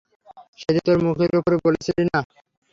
সেদিন তোর মুখের ওপরে বলেছিল না?